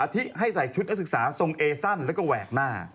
ที่ให้ใส่ชุดนักศึกษาทรงเอสั้นแล้วก็แหวกหน้า